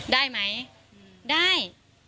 ได้ไหมได้